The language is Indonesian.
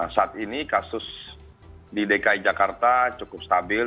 saat ini kasus di dki jakarta cukup stabil